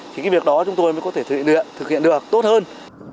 thì cái việc đó chúng tôi mới có thể luyện thực hiện được tốt hơn